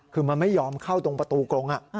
คือมันไม่ยอมเข้าตรงประตูกรง